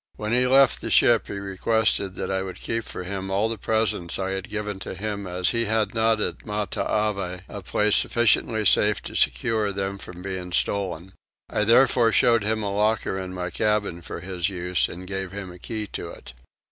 When he left the ship he requested I would keep for him all the presents I had given to him as he had not at Matavai a place sufficiently safe to secure them from being stolen; I therefore showed him a locker in my cabin for his use and gave him a key to it.